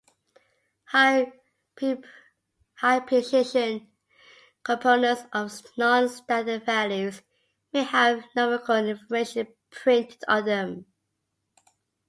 High-precision components of non-standard values may have numerical information printed on them.